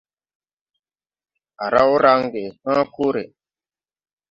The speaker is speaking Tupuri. À raw range hãã kore.